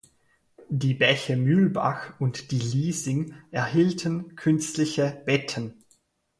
Die Bäche Mühlbach und die Liesing erhielten künstliche Betten.